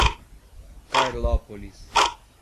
Carlópolis